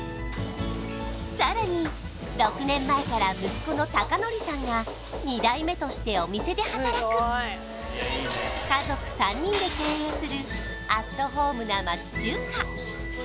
さらに６年前から息子の孝徳さんが２代目としてお店で働く家族３人で経営するアットホームな町中華